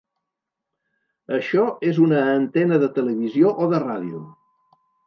Això és una antena de televisió o de ràdio?